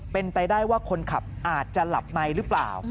เป็นไปได้ว่าคนขับอาจจะหลับในหรือเปล่า